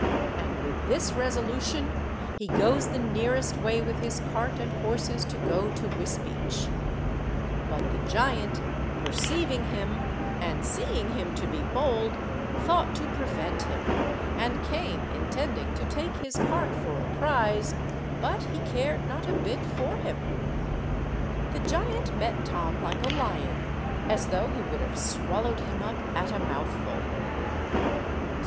And with this resolution he goes the nearest way with his cart and horses to go to Wisbeach; but the giant, perceiving him, and seeing him to be bold, thought to prevent him, and came, intending to take his cart for a prize, but he cared not a bit for him. The giant met Tom like a lion, as though he would have swallowed him up at a mouthful.